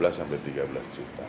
dua belas sampai tiga belas juta